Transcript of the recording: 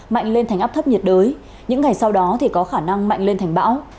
mạnh lên thành áp thấp nhiệt đới những ngày sau đó thì có khả năng mạnh lên thành bão